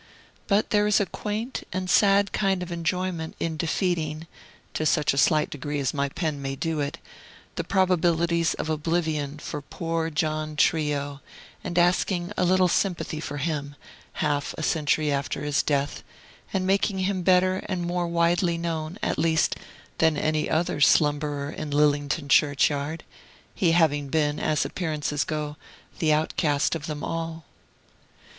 But there is a quaint and sad kind of enjoyment in defeating (to such slight degree as my pen may do it) the probabilities of oblivion for poor John Treeo, and asking a little sympathy for him, half a century after his death, and making him better and more widely known, at least, than any other slumberer in Lillington churchyard: he having been, as appearances go, the outcast of them all.